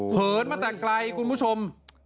เหินมาแต่ไกลคุณผู้ชม